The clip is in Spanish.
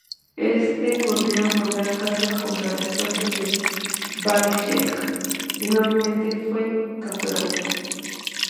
Éste volvió a mandar cargar contra las fuerzas de Baekje, y nuevamente fue capturado.